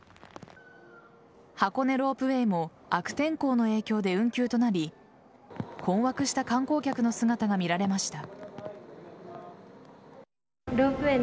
箱根ロープウェイも悪天候の影響で運休となり困惑した観光客の姿が見られました。